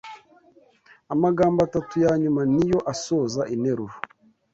Amagambo atatu yanyuma niyo asoza interuro